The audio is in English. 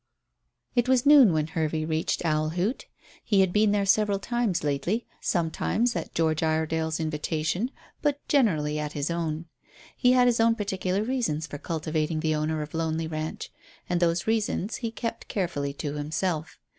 It was noon when Hervey reached Owl Hoot. He had been there several times lately, sometimes at George Iredale's invitation, but generally at his own. He had his own particular reasons for cultivating the owner of Lonely Ranch, and those reasons he kept carefully to himself.